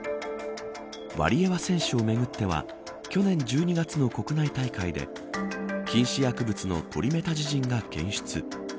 ワリエワ選手をめぐっては去年１２月の国内大会で禁止薬物のトリメタジジンが検出。